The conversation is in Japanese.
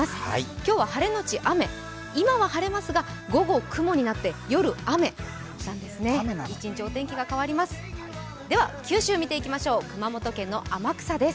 今日は晴れのち雨今は晴れますが午後、雲になって、夜、雨なんですね一日、お天気が変わります。